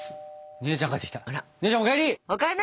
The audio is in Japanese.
姉ちゃんお帰り！